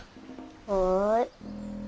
はい。